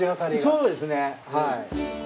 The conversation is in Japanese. そうですね、はい。